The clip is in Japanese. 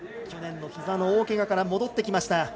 去年のひざの大けがから戻ってきました。